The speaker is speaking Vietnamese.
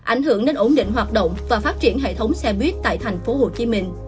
ảnh hưởng đến ổn định hoạt động và phát triển hệ thống xe buýt tại tp hcm